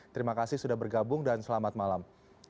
terima kasih sudah bergabung dan selamat malam